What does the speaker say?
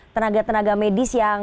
tenaga tenaga medis yang